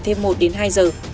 thêm một đến hai giờ